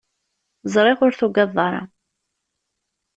Ẓriɣ ur tugadeḍ ara.